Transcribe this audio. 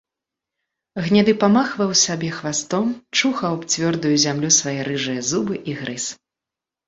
Гняды памахваў сабе хвастом, чухаў аб цвёрдую зямлю свае рыжыя зубы і грыз.